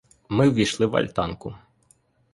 Ми ввійшли в альтанку.